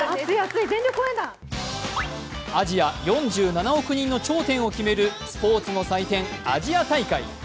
アジア４７億人の頂点を決めるスポーツの祭典・アジア大会。